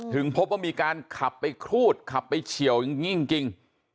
พบว่ามีการขับไปครูดขับไปเฉียวอย่างยิ่งจริง